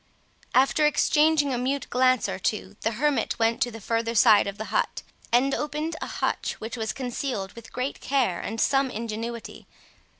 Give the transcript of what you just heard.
After exchanging a mute glance or two, the hermit went to the further side of the hut, and opened a hutch, which was concealed with great care and some ingenuity.